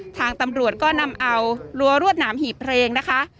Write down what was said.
ทางตำรวจก็นำเอารั้วรวดหนามหีบเพลงนะคะ